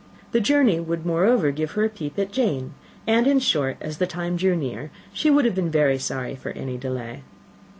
The journey would, moreover, give her a peep at Jane; and, in short, as the time drew near, she would have been very sorry for any delay.